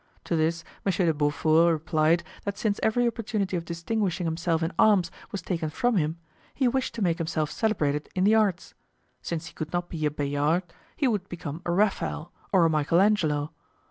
To this Monsieur de Beaufort replied that since every opportunity of distinguishing himself in arms was taken from him, he wished to make himself celebrated in the arts; since he could not be a Bayard, he would become a Raphael or a Michael Angelo.